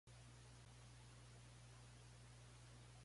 芋仔角